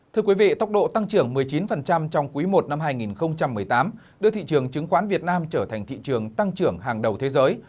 thưa quý vị tốc độ tăng trưởng một mươi chín trong quý i năm hai nghìn một mươi tám đưa thị trường chứng khoán việt nam trở thành thị trường tăng trưởng hàng đầu thế giới